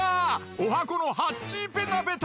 おはこのハッチーペタペタ！